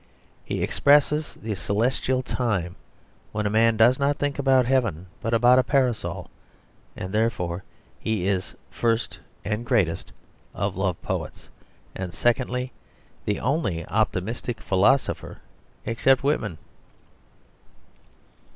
He expresses the celestial time when a man does not think about heaven, but about a parasol. And therefore he is, first, the greatest of love poets, and, secondly, the only optimistic philosopher except Whitman.